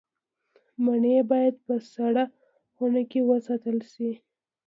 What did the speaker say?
مڼې باید په سړه خونه کې وساتل شي.